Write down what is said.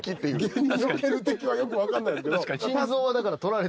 芸人における敵はよく分かんないですけど。